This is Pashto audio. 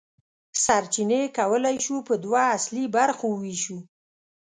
سرچینې کولی شو په دوه اصلي برخو وویشو.